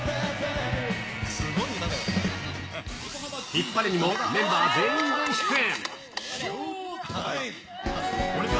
ヒッパレにもメンバー全員で出演。